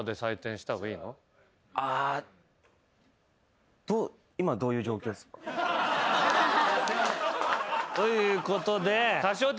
あ。ということで。